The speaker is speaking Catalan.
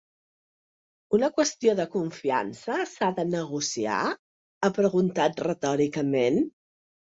Una qüestió de confiança s’ha de negociar?, ha preguntat retòricament.